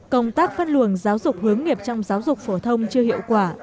công tác phân luồng giáo dục hướng nghiệp trong giáo dục phổ thông chưa hiệu quả